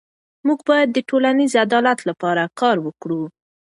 موږ باید د ټولنیز عدالت لپاره کار وکړو.